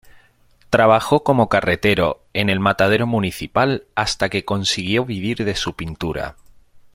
Trabajó como carretero en el matadero municipal hasta que consiguió vivir de su pintura.